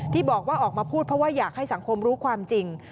ที่บอกว่าออกมาพูดเพราะว่าอยากให้สังคมรู้ความจริง